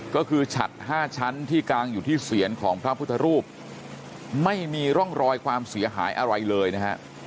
ก็คือฉัด๕ชั้นที่กางอยู่ที่เสียนของพระพุทธรูปไม่มีร่องรอยความเสียหายอะไรเลยนะฮะ